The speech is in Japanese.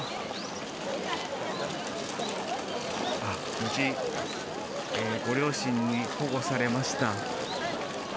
無事ご両親に保護されました。